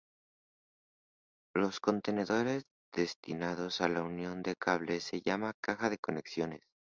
Los contenedores destinados a la unión de cables se llaman cajas de conexiones.